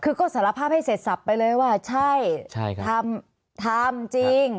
รับสารภาพให้เสร็จสับไปเลยว่าใช่ทำจริง